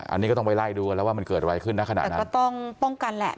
อันนี้ก็ต้องไปไล่ดูกันแล้วว่ามันเกิดอะไรขึ้นนะขณะนั้นก็ต้องป้องกันแหละ